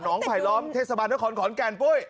หนองไผล้ล้อมเทศบาทแล้วขอนแก่นปุ๊ย